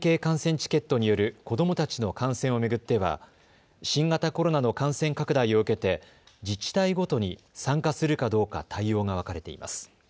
チケットによる子どもたちの観戦を巡っては新型コロナの感染拡大を受けて自治体ごとに参加するかどうか対応が分かれています。